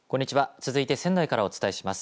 続いて仙台からお伝えします。